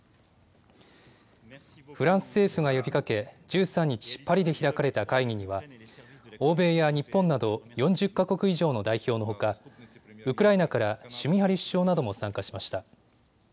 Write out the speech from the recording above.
フランス政府が呼びかけ、１３日、パリで開かれた会議には欧米や日本など４０か国以上の代表のほかウクライナからシュミハリ首相なども参加しました。